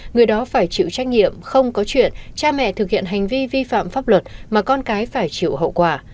người đó phải chịu trách nhiệm không có chuyện cha mẹ thực hiện hành vi vi phạm pháp luật mà con cái phải chịu hậu quả